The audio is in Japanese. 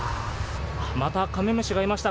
またカメムシがいました。